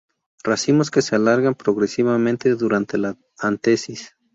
Racimos que se alargan progresivamente durante la antesis.